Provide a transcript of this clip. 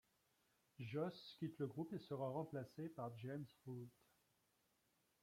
Josh quitte le groupe et sera remplacé par James Root.